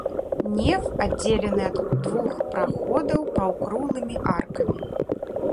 Неф аддзелены ад двух праходаў паўкруглымі аркамі.